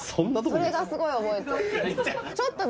それがすごい覚えてる。